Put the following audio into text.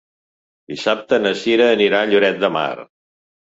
Dissabte na Cira anirà a Lloret de Mar.